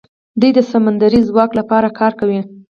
دوی د سمندري ځواک لپاره کار کوي.